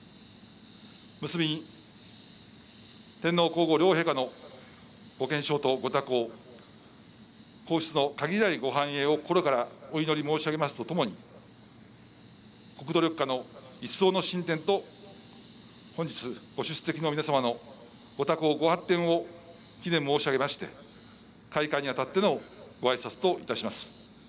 結びに、天皇皇后両陛下のご健勝とご多幸皇室の限りないご繁栄を心からお祈り申し上げますとともに国土緑化の一層の進展と本日ご出席の皆様のご多幸ご発展を祈念申し上げまして開会にあたってのご挨拶といたします。